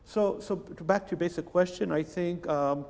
jadi kembali ke pertanyaan dasar